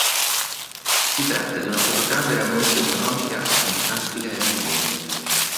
Si tratta di una fotocamera molto economica in plastica e alluminio.